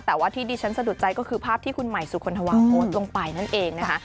แต่ว่าที่ดิฉันสะดุดใจก็คือภาพที่คุณใหม่สุคลธวาโพสต์ลงไปนั่นเองนะคะ